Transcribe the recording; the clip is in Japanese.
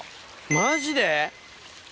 マジで？